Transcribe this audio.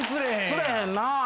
釣れへんなぁ。